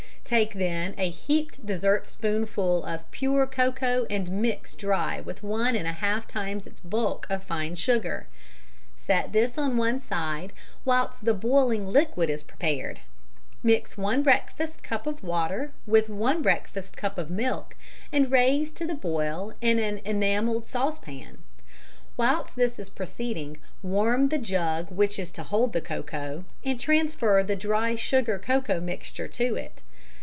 Take then a heaped dessert spoonful of pure cocoa and mix dry with one and a half times its bulk of fine sugar. Set this on one side whilst the boiling liquid is prepared. Mix one breakfast cup of water with one breakfast cup of milk, and raise to the boil in an enamelled saucepan. Whilst this is proceeding, warm the jug which is to hold the cocoa, and transfer the dry sugar cocoa mixture to it.